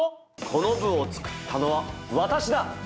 この部をつくったのは私だ！